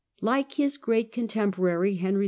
Like his great contemporary Henry II.